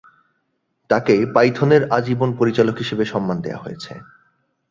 তাকে পাইথনের আজীবন পরিচালক হিসেবে সম্মান দেয়া হয়েছে।